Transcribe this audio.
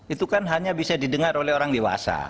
itu kan hanya bisa didengar oleh orang dewasa